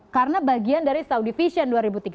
karena bagian dari saudi vision dua ribu tiga puluh